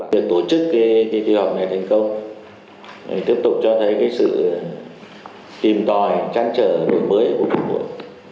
việc tổ chức kỳ họp này thành công tiếp tục cho thấy sự tìm tòi trăn trở đổi mới của quốc hội